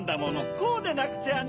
こうでなくちゃね！